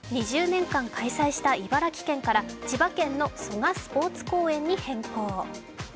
２０年間、開催した茨城県から千葉県の蘇我スポーツ公園に変更。